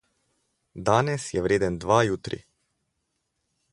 Danes je vreden dva jutri.